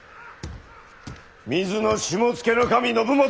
水野下野守信元！